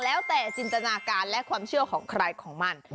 แล้วแต่จินตนาการและความเชื่อของใครของมัน